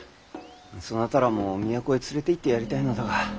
そなたらも都へ連れていってやりたいのだが。